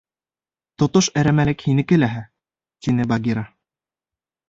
— Тотош әрәмәлек һинеке ләһә, — тине Багира.